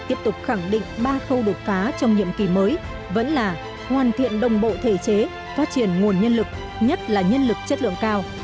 tiếp tục khẳng định ba khâu đột phá trong nhiệm kỳ mới vẫn là hoàn thiện đồng bộ thể chế phát triển nguồn nhân lực nhất là nhân lực chất lượng cao